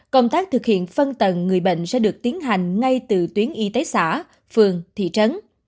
công tác thực hiện phân tầng người bệnh sẽ được tiến hành ngay từ tuyến y tế xã phường thị trấn